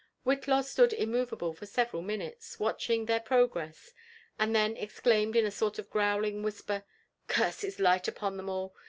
Whitlaw stood immovable for several minutes, watching their pro gress, and then exclaimed in a sort of growling whisper, "Curses light upon them all